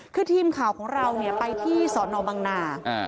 คือทีมข่าวของเราไปที่สอนอบังนา